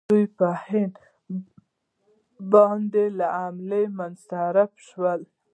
دوی په هند باندې له حملې منصرفې شوې.